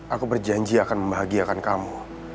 aku berjanji akan membahagiakan kamu